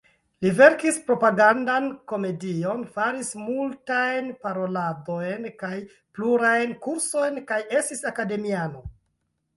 Li verkis propagandan komedion, faris multajn paroladojn kaj plurajn kursojn, kaj estis akademiano.